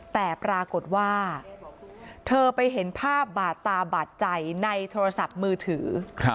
แต่ปรากฏว่าเธอไปเห็นภาพบาดตาบาดใจในโทรศัพท์มือถือ